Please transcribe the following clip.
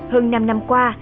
hơn năm năm qua